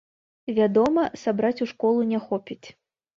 Вядома, сабраць у школу не хопіць.